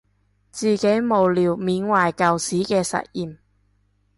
自己無聊緬懷舊時嘅實驗